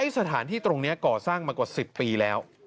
สถานที่ตรงนี้ก่อสร้างมากว่า๑๐ปีแล้ว